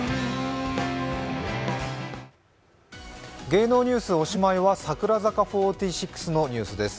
芸能ニュース、おしまいは櫻坂４６のニュースです。